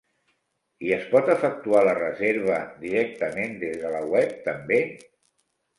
I es pot efectuar la reserva directament des de la web també?